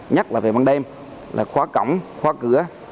nhắc là về băng đêm là khóa cổng khóa cửa